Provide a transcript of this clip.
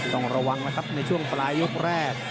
ต้องระวังนะครับในช่วงปลายยกแรก